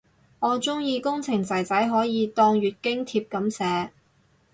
我鍾意工程仔仔可以當月經帖噉寫